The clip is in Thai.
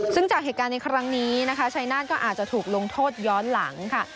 ซึ่งจากเหตุการณ์ในครั้งนี้นะคะชัยนาธก็อาจจะถูกลงโทษย้อนหลังค่ะ